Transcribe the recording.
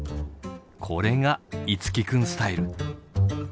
これが樹君スタイル！